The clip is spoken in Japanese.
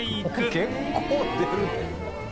「結構出るね」